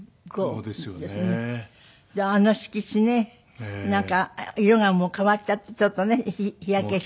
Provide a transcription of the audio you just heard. あの色紙ねなんか色がもう変わっちゃってちょっとね日焼けした。